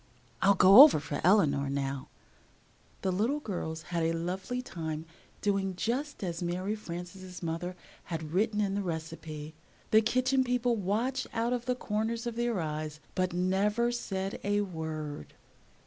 "I'll go over for Eleanor now." The little girls had a lovely time doing just as Mary Frances' mother had written in the recipe. The Kitchen People watched out of the corners of their eyes, but never said a word.